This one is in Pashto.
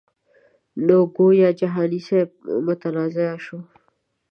نو ګویا جهاني صاحب متنازعه شو.